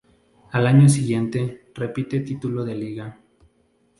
Al año siguiente repite título de Liga.